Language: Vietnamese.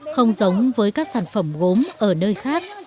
không giống với các sản phẩm gốm ở nơi khác